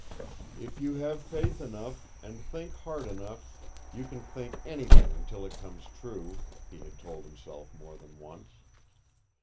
"If you have faith enough, and think hard enough, you can think anything until it comes true," he had told himself more than once.